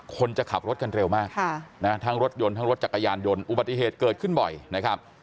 คนจะขับรถกันเร็วมากทั้งรถยนต์ทั้งรถจักรยานยนต์อุบัติเหตุเกิดขึ้นบ่อยนะครับ